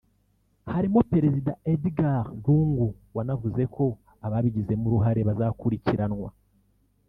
harimo Perezida Edgad Lungu wanavuze ko ababigizemo uruhare bazakurikiranwa